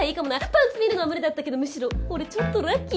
「パンツ見るのは無理だったけどむしろ俺ちょっとラッキー！」。